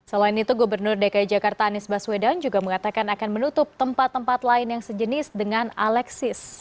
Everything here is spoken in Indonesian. selain itu gubernur dki jakarta anies baswedan juga mengatakan akan menutup tempat tempat lain yang sejenis dengan alexis